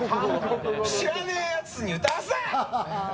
知らねえやつに歌わすな！